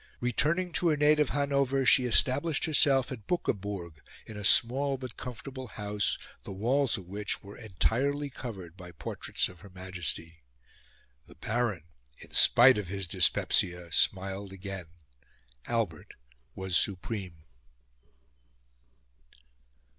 Returning to her native Hanover she established herself at Buckeburg in a small but comfortable house, the walls of which were entirely covered by portraits of Her Majesty. The Baron, in spite of his dyspepsia, smiled again: Albert was supreme.